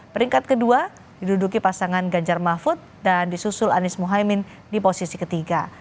peringkat kedua diduduki pasangan ganjar mahfud dan disusul anies mohaimin di posisi ketiga